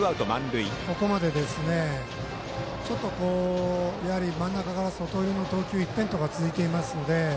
ここまで、ちょっと真ん中から外寄りの投球一辺倒が続いているので。